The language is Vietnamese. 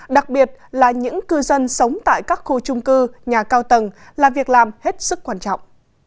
đặc biệt là những cư dân sống tại các khu trung cư nhà cao tầng là việc làm hết sức quan trọng